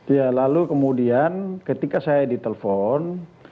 ya lalu kemudian ketika saya ditelepon